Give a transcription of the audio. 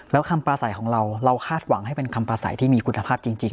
แล้วคำปลาใสของเราเราคาดหวังให้เป็นคำปลาใสที่มีคุณภาพจริง